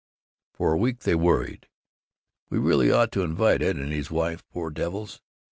For a week they worried, "We really ought to invite Ed and his wife, poor devils!"